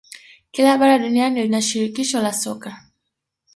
Kila bara duniani lina shirikisho la soka